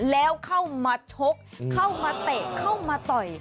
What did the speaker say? แล้วเข้ามาชกเข้ามาเตะเข้ามาต่อย